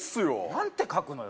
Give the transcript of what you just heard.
何て書くのよ？